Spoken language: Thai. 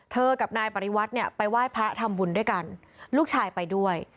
กับนายปริวัติเนี่ยไปไหว้พระทำบุญด้วยกันลูกชายไปด้วย